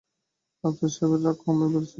আফসার সাহেবের রাগ ক্রমেই বাড়ছে।